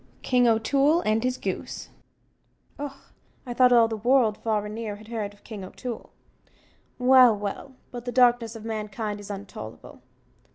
King O'Toole and His Goose Och, I thought all the world, far and near, had heerd of King O'Toole well, well but the darkness of mankind is untollable!